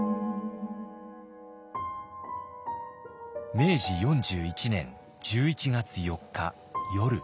明治４１年１１月４日夜。